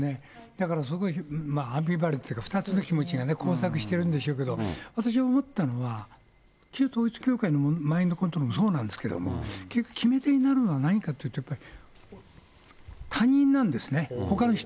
だからアンビバレントというか、２つの気持ちが交錯しているんでしょうけど、私思ったのは、旧統一教会のマインドコントロールもそうなんですけども、結局、決め手になるのは何かというと、他人なんですね、ほかの人。